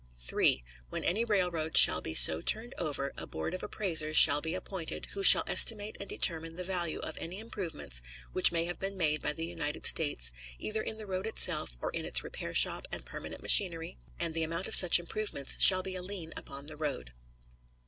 3. When any railroad shall be so turned over, a board of appraisers shall be appointed, who shall estimate and determine the value of any improvements which may have been made by the United States, either in the road itself or in its repair shop and permanent machinery, and the amount of such improvements shall be a lien upon the road.